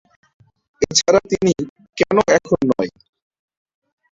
এছাড়া, তিনি কেন এখন নয়?